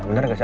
bener gak sih